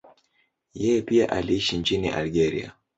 Yeye pia aliishi nchini Algeria.